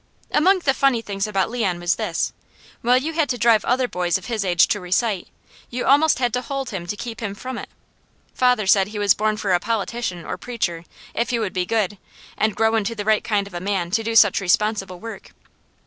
Among the funny things about Leon was this: while you had to drive other boys of his age to recite, you almost had to hold him to keep him from it. Father said he was born for a politician or a preacher, if he would be good, and grow into the right kind of a man to do such responsible work.